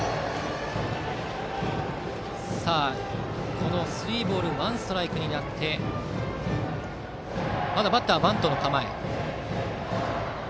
このスリーボールワンストライクになってまだバッターはバントの構え。